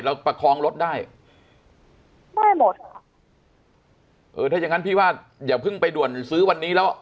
ประคองรถได้ไม่หมดค่ะเออถ้าอย่างงั้นพี่ว่าอย่าเพิ่งไปด่วนซื้อวันนี้แล้ว